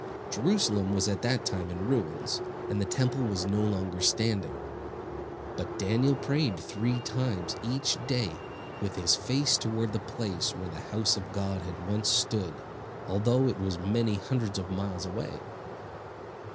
Jerusalem was at that time in ruins, and the Temple was no longer standing; but Daniel prayed three times each day with his face toward the place where the house of God had once stood, although it was many hundreds of miles away.